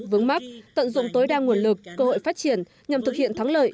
vướng mắt tận dụng tối đa nguồn lực cơ hội phát triển nhằm thực hiện thắng lợi